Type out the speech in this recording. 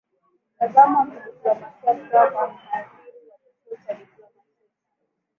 ni mtazamo wa kidiplomasia kutoka kwa mhadhiri wa chuo cha diplomasia